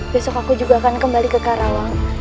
besok aku juga akan kembali ke karawang